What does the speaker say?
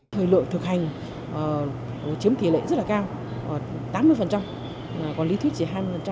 thời lượng thực hành chiếm tỷ lệ rất là cao tám mươi còn lý thuyết chỉ hai mươi